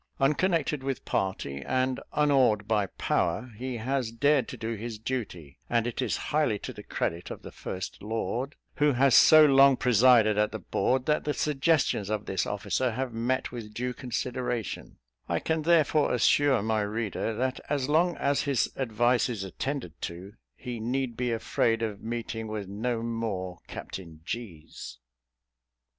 Unconnected with party, and unawed by power, he has dared to do his duty; and it is highly to the credit of the first lord, who has so long presided at the board, that the suggestions of this officer have met with due consideration; I can therefore assure my reader, that as long as his advice is attended to, he need be afraid of meeting with no more Captain G 's.